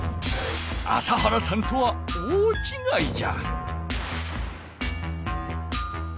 朝原さんとは大ちがいじゃ。